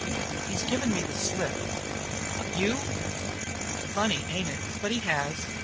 "He's given me the slip." "You!" "Funny, ain't it? But he has.